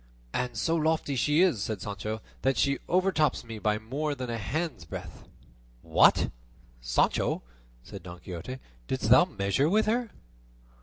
"And so lofty she is," said Sancho, "that she overtops me by more than a hand's breadth." "What! Sancho," said Don Quixote, "didst thou measure with her?"